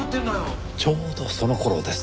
ちょうどその頃です。